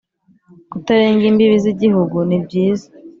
Kutarenga imbibi z Igihugu ni byiza